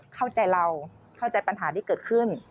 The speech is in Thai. เข้าใจเราเข้าใจปัญหาที่เกิดขึ้น